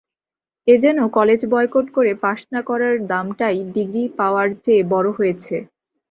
এ যেন college boycott করে pass না করার দামটাই ডিগ্রি পাওয়ার চেয়ে বড়ো হয়েছে।